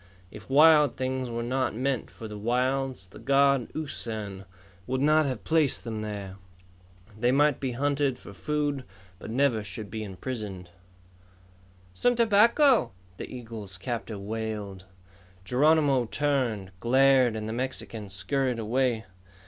If wild things were not meant for the wilds, the god, Usan, would not have placed them there. They might be hunted for food but never should any be imprisoned. "Some tobacco?" the eagle's captor wailed. Geronimo turned, glared, and the Mexican scurried away.